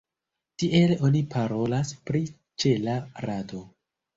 Tiel oni parolas pri ĉela rado.